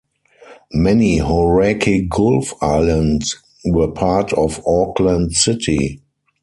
Many Hauraki Gulf islands were part of Auckland City.